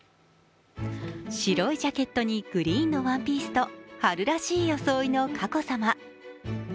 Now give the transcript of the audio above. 白いジャケットにグリーンのワンピースと春らしい装いの佳子さま。